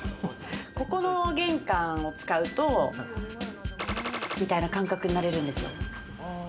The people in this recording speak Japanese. ここの玄関を使うとみたいな感覚になれるんですよ。